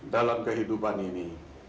dalam kehidupan ini